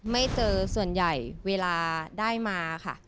ไม่เจอส่วนใหญ่เวลาได้มาค่ะ